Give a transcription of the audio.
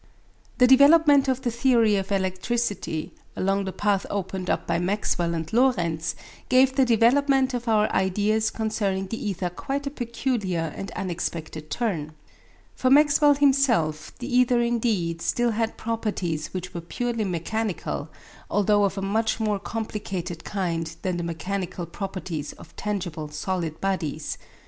The development of the theory of electricity along the path opened up by Maxwell and Lorentz gave the development of our ideas concerning the ether quite a peculiar and unexpected turn. For Maxwell himself the ether indeed still had properties which were purely mechanical, although of a much more complicated kind than the mechanical properties of tangible solid bodies.